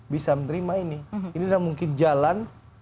bisa menerima ini ini adalah mungkin jalan